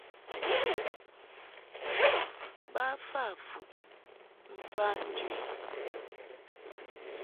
Ba fa fuʼ mfa njɨ i.